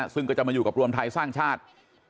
ซึ่งก็จะมาอยู่กับรวมไทยสร้างชาติ